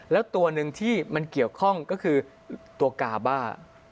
แล้วตัวหนึ่งที่มันเกี่ยวข้องก็คือตัวกาบ้า